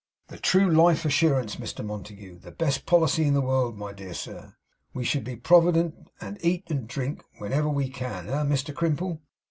'The true Life Assurance, Mr Montague. The best Policy in the world, my dear sir. We should be provident, and eat and drink whenever we can. Eh, Mr Crimple?